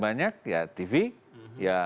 banyak ya tv ya